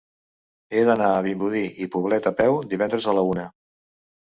He d'anar a Vimbodí i Poblet a peu divendres a la una.